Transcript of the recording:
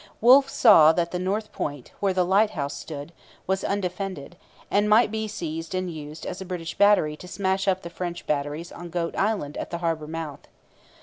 Wolfe saw that the north point, where the lighthouse stood, was undefended, and might be seized and used as a British battery to smash up the French batteries on Goat Island at the harbour mouth.